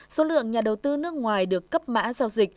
số lượng nhà đầu tư nước ngoài được cấp mã giao dịch